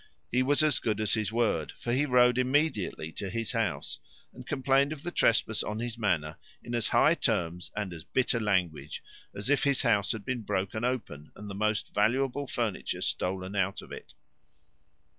He was as good as his word: for he rode immediately to his house, and complained of the trespass on his manor in as high terms and as bitter language as if his house had been broken open, and the most valuable furniture stole out of it.